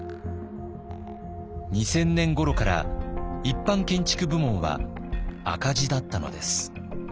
２０００年ごろから一般建築部門は赤字だったのです。